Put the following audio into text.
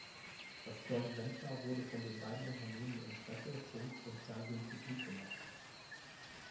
Das Joint-Venture wurde von den beiden Unternehmen in Presse, Funk und Fernsehen publik gemacht.